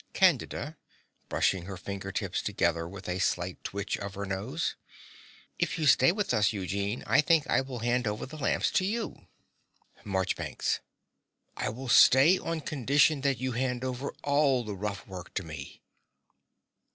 CANDIDA (brushing her finger tips together with a slight twitch of her nose). If you stay with us, Eugene, I think I will hand over the lamps to you. MARCHBANKS. I will stay on condition that you hand over all the rough work to me.